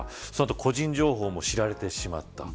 個人情報も知られてしまった。